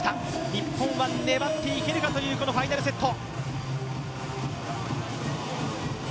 日本は粘っていけるかというこのファイナルセット。